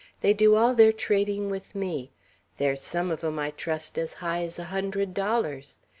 They do all their trading with me. There's some of them I trust as high's a hundred dollars.